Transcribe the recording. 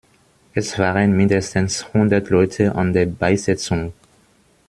Es waren mindestens hundert Leute an der Beisetzung.